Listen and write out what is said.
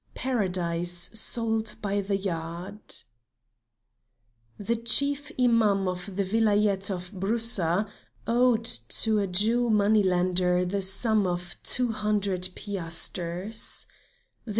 PARADISE SOLD BY THE YARD The chief Imam of the Vilayet of Broussa owed to a Jew money lender the sum of two hundred piasters.